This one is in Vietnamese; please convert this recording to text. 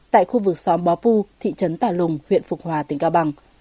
tại khu vực xóm bó pu tp tà lùng huyện phục hòa tỉnh cao bằng